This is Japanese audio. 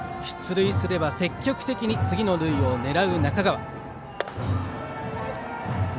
出塁すれば積極的に次の塁を狙う中川。